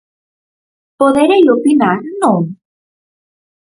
Poderei opinar, ¿non?